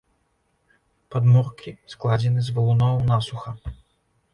Падмуркі складзены з валуноў насуха.